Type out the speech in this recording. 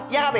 iya mbak be